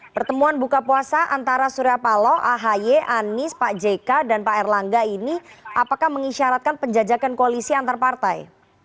pertemuan buka puasa antara surya paloh ahy anies pak jk dan pak erlangga ini apakah mengisyaratkan penjajakan koalisi antar partai